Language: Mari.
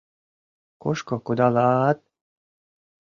Кушко кудала-ат?